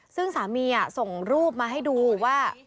ซึ่งสามีส่งรูปมาให้ดูว่า